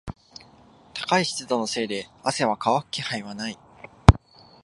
高い湿度のせいで汗は乾く気配はない。